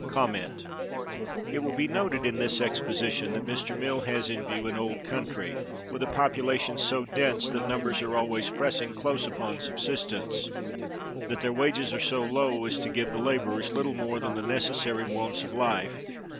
It will be noted, in this exposition, that Mr. Mill has in view an old country, with a population so dense that numbers are always pressing close upon subsistence; that their wages are so low as to give the laborers little more than the necessary wants of life.